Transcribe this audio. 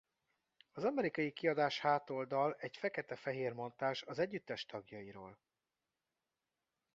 Az amerikai kiadás hátoldal egy fekete-fehér montázs az együttes tagjairól.